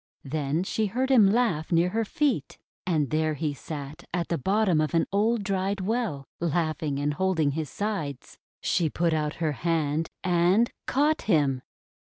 Then she heard him laugh near her feet. And there he sat at the bottom of an old dried well, laughing and holding his sides. She put out her hand, and caught him.